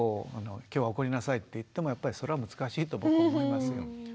今日は怒りなさいって言ってもやっぱりそれは難しいと僕思いますよ。